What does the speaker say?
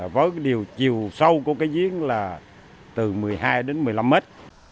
với điều chiều sâu của cái diễn là từ một mươi hai đến một mươi năm mét